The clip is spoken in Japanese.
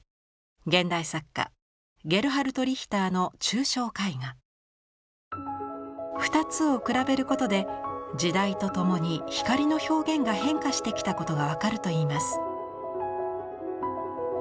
現代作家二つを比べることで時代とともに光の表現が変化してきたことが分かるといいます。